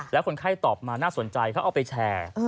แล้วคนไข้ตอบมาน่าสนใจเขาเอาไปแชร์